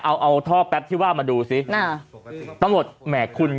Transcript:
เอาเอาท่อแป๊บที่ว่ามาดูสิน่ะตำรวจแหมคุณ